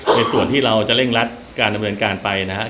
ในส่วนที่เราจะเร่งรัดการดำเนินการไปนะครับ